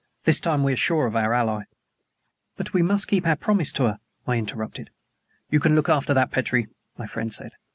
"This time we are sure of our ally " "But we must keep our promise to her," I interrupted. "You can look after that, Petrie," my friend said.